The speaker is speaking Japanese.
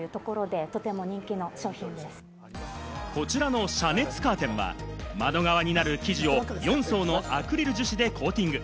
こちらの遮熱カーテンは、窓側になる生地を４層のアクリル樹脂でコーティング。